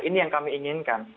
ini yang kami inginkan